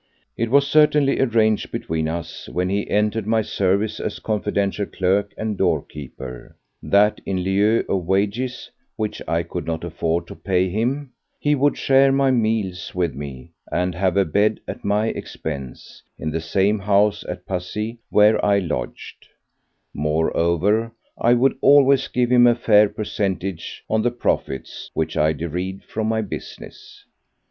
It was certainly arranged between us when he entered my service as confidential clerk and doorkeeper that in lieu of wages, which I could not afford to pay him, he would share my meals with me and have a bed at my expense in the same house at Passy where I lodged; moreover, I would always give him a fair percentage on the profits which I derived from my business.